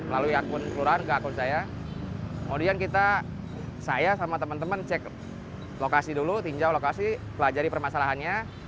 lalu saya dan teman teman cek lokasi dan pelajari permasalahannya